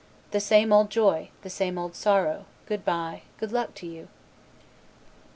The same old joy, the same old sorrow, Good bye, good luck to you."